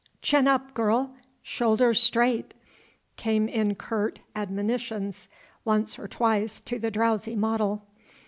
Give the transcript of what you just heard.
"Chin up, girl ... shoulders straight!" came in curt admonitions once or twice to the drowsy model.